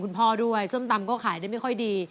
พ่อด้วยส้มตำก็ขายได้ไม่ค่อยดี